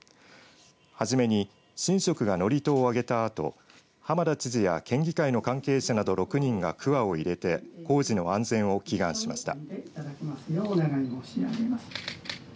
はじめに神職が祝詞を上げたあと浜田知事や県議会の関係者など６人がくわを入れて工事の安全を祈願しました。